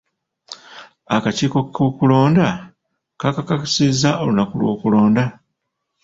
Akakiiko k'okulonda kakasizza olunaku lw'okulonda?